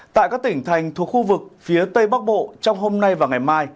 tại các tỉnh thành thuộc khu vực phía tây bắc bộ trong hôm nay và ngày mai